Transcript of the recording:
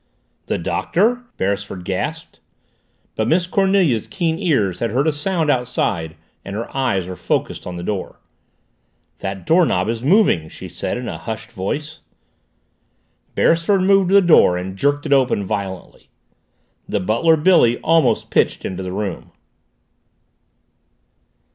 "The Doctor!" Beresford gasped. But Miss Cornelia's keen ears had heard a sound outside and her eyes were focused on the door. "That doorknob is moving," she said in a hushed voice. Beresford moved to the door and jerked it violently open. The butler, Billy, almost pitched into the room.